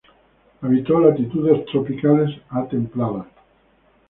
Habitó latitudes tropicales a templadas.